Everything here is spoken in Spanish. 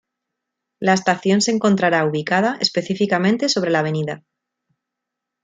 La estación se encontrará ubicada específicamente sobre la Av.